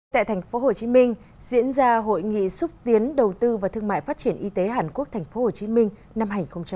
tại tp hcm diễn ra hội nghị xúc tiến đầu tư và thương mại phát triển y tế hàn quốc tp hcm năm hai nghìn hai mươi